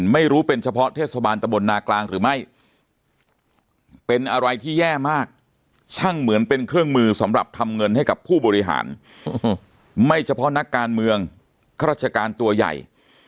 ไม่เฉพาะนักการเมืองข้าราชการตัวใหญ่